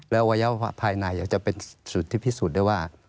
แล้วอวัยวะภายในจะเป็นส่วนที่พิสูจน์ได้ว่า